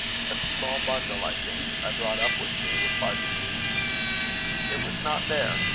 'A small bundle I think I brought up with me,' replied the youth. It was not there.